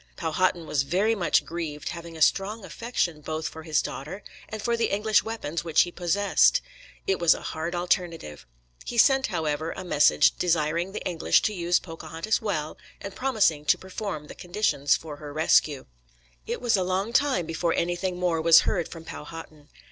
Powhatan was "very much grieved," having a strong affection both for his daughter and for the English weapons which he possessed. It was a hard alternative. He sent, however, a message desiring the English to use Pocahontas well, and promising to perform the conditions for her rescue. It was a long time before anything more was heard from Powhatan.